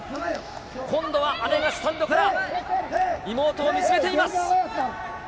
今度は姉がスタンドから妹を見つめています。